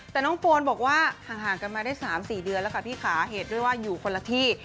แต่น้องโฟนบอกว่าห่างกันมาได้๓๔เดือนแล้วค่ะพี่ขาเหตุด้วยว่าอยู่คนละที่